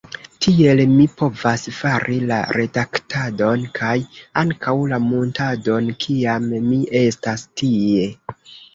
Tiel mi povas fari la redaktadon kaj ankaŭ la muntadon, kiam mi estas tie.